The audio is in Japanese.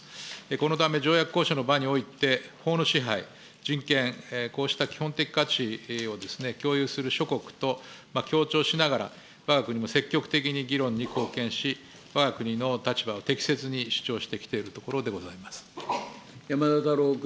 このため条約交渉の場において、法の支配、人権、こうした基本的価値をですね、共有する諸国と強調しながらわが国も積極的に議論に貢献し、わが国の立場を適切に主張してきているところでござい山田太郎君。